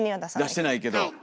出してないけど。